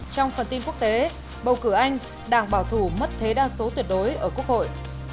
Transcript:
trong phần tin quốc tế bầu cử anh đảng bảo thủ mất thế đa số tuyệt đối ở quốc hội